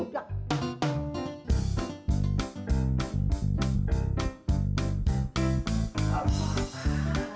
biasa aja bunga